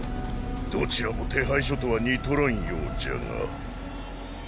どちらも手配書とは似とらんようじゃが。